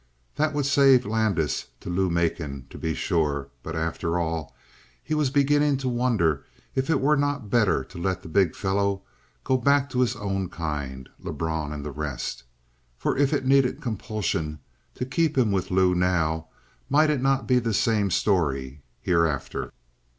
That would save Landis to Lou Macon, to be sure, but after all, he was beginning to wonder if it were not better to let the big fellow go back to his own kind Lebrun and the rest. For if it needed compulsion to keep him with Lou now, might it not be the same story hereafter?